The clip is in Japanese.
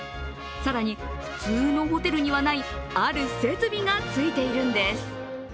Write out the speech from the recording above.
更に、普通のホテルにはないある設備がついているんです。